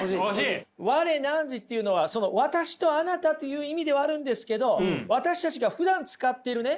「我−汝」っていうのは私とあなたという意味ではあるんですけど私たちがふだん使っているね